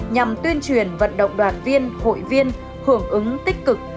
nhằm tuyên truyền vận động đoàn viên hội viên hưởng ứng tích cực